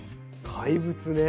怪物ね。